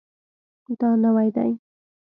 دا نوی دی